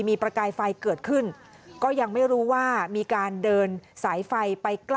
มีประกายไฟเกิดขึ้นก็ยังไม่รู้ว่ามีการเดินสายไฟไปใกล้